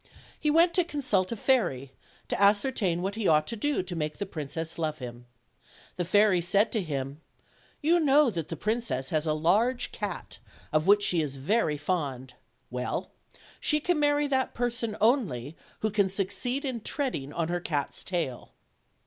He went to consult a fairy, to ascertain what he ought to do to make the princess love him. The fairy said to him: "You know that the OLD, OLD FAIR 7 TALES. princess has a large cat, of which she is very fond; well, she can marry that person only who can succeed in tread ing on her cat's tail."